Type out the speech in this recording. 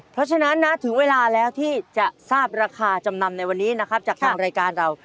เพราะฉะนั้นนะถึงเวลาแล้วที่จะทราบราคาจำนำในวันนี้นะครับจากทางรายการเรา